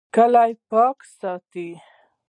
کلی پاک ساتئ